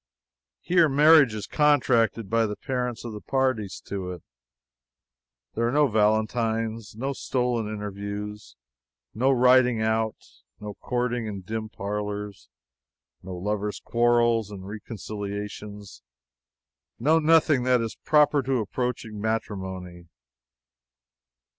Here, marriage is contracted by the parents of the parties to it. There are no valentines, no stolen interviews, no riding out, no courting in dim parlors, no lovers' quarrels and reconciliations no nothing that is proper to approaching matrimony.